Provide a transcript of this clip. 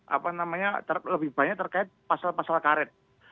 apa namanya lebih banyak terkait pasal pasal karet